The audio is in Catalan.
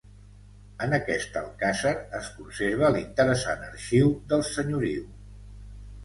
En aquest alcàsser es conserva l'interessant arxiu del senyoriu.